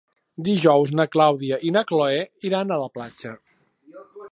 Dijous na Clàudia i na Cloè iran a la platja.